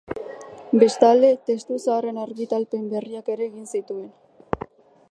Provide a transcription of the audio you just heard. Bestalde, testu zaharren argitalpen berriak ere egin zituen.